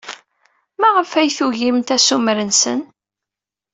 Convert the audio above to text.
Maɣef ay tugimt assumer-nsen?